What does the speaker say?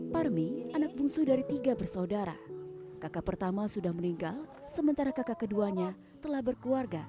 parmi anak bungsu dari tiga bersaudara kakak pertama sudah meninggal sementara kakak keduanya telah berkumpul ke rumah yang lainnya